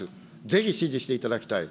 ぜひ指示していただきたい。